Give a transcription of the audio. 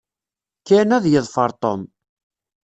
Ken ad yeḍfer Tom.